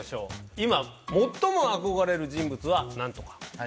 「今最も憧れる人物は何とか」。